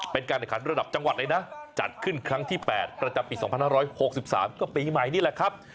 เป็นการแข่งขันระดับจังหวัดเลยนะจัดขึ้นครั้งที่๘ประจำปี๒๕๖๓ก็ปีใหม่นี่แหละครับ